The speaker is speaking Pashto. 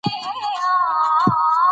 لس کاله ورسته به نه یی.